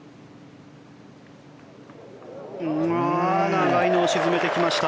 長いのを沈めてきた。